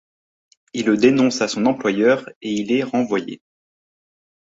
Ils le dénoncent à son employeur, et il est renvoyé.